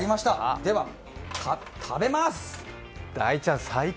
では、食べます！